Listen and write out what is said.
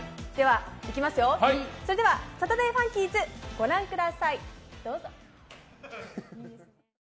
それでは「サタデーファンキーズ」ご覧ください。